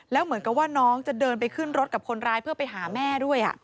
แล้วเหมือนกับว่าน้องจะเดินไปขึ้นรถกับคนร้ายเพื่อไปหาแม่ด้วย